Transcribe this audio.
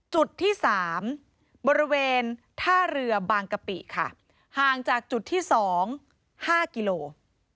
จุดที่สามบริเวณท่าเรือบางกะปิค่ะห่างจากจุดที่สองห้ากิโลเมตร